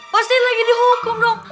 pasti lagi dihukum dong